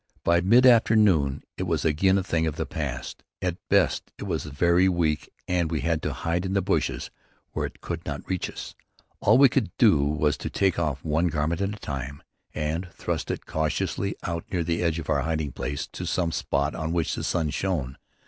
By mid afternoon it was again a thing of the past. At best it was very weak and we had to hide in the bushes where it could not reach us. All we could do was to take off one garment at a time and thrust it cautiously out near the edge of our hiding place to some spot on which the sun shone.